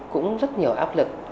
cũng rất nhiều áp lực